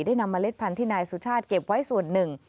นำเมล็ดพันธุ์นายสุชาติเก็บไว้ส่วนหนึ่ง